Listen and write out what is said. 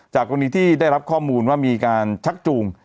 กรณีที่ได้รับข้อมูลว่ามีการชักจูง